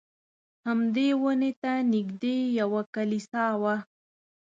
همدې ونې ته نږدې یوه کلیسا وه.